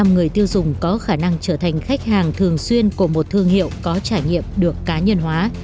năm mươi người tiêu dùng có khả năng trở thành khách hàng thường xuyên của một thương hiệu có trải nghiệm được cá nhân hóa